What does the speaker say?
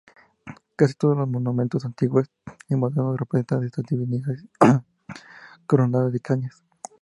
Casi todos los monumentos antiguos y modernos representan estas divinidades coronadas de cañas.